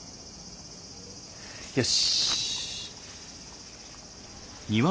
よし。